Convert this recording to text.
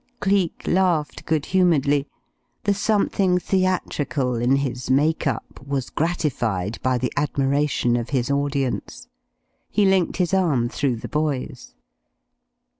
Cleek laughed good humouredly. The something theatrical in his make up was gratified by the admiration of his audience. He linked his arm through the boy's.